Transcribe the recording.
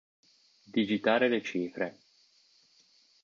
Digitare le cifre".